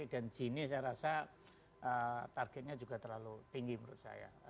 dan gini saya rasa targetnya juga terlalu tinggi menurut saya